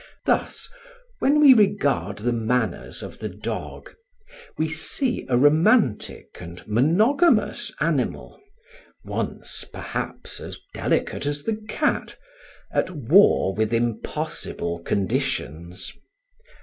Thus, when we regard the manners of the dog, we see a romantic and monogamous animal, once perhaps as delicate as the cat, at war with impossible conditions.